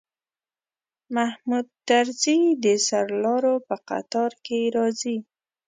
محمود طرزی د سرلارو په قطار کې راځي.